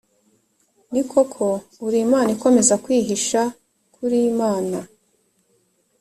ni koko uri imana ikomeza kwihisha k uri imana